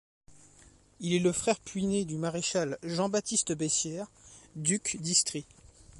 Il est le frère puîné du maréchal Jean-Baptiste Bessières, duc d'Istrie.